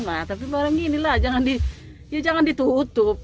nah tapi barang ini lah jangan ditutup